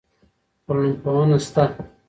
ټولنپوهنه سته.